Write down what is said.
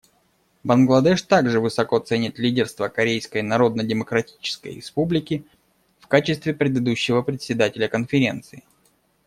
Бангладеш также высоко ценит лидерство Корейской Народно-Демократической Республики в качестве предыдущего Председателя Конференции.